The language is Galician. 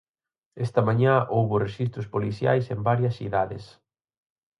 Esta mañá houbo rexistros policiais en varias cidades.